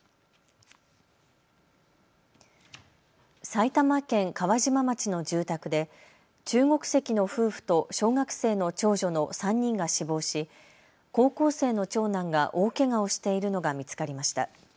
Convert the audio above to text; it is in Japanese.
埼玉県川島町の住宅で中国籍の夫婦と小学生の長女の３人が死亡し、高校生の長男が大けがをしているのが見つかりました。